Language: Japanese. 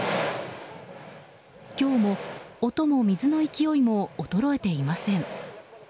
今日も、音も水の勢いも衰えていません。